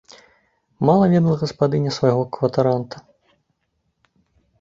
Мала ведала гаспадыня свайго кватаранта.